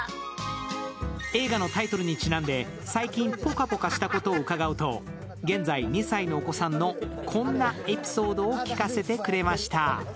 映画のタイトルにちなんで最近ぽかぽかしたことを伺うと現在２歳のお子さんのこんなエピソードを聞かせてくれました。